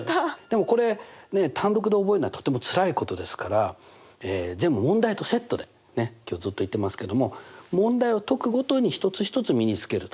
でもこれ単独で覚えるのはとてもつらいことですから全部問題とセットで今日ずっと言ってますけども問題を解くごとに一つ一つ身につけると。